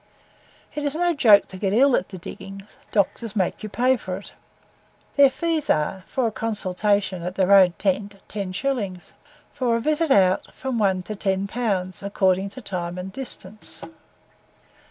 It is no joke to get ill at the diggings; doctors make you pay for it. Their fees are for a consultation, at their own tent, ten shillings; for a visit out, from one to ten pounds, according to time and distance.